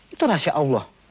itu rahasia allah